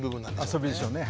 遊びでしょうね。